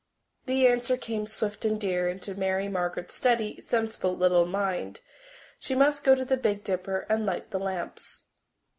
The answer came swift and dear into Mary Margaret's steady, sensible little mind. She must go to the Big Dipper and light the lamps!